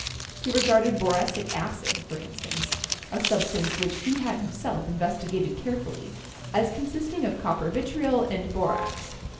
He regarded boracic acid, for instance — a substance which he had himself in vestigated carefully — as consisting of copper vitriol and borax.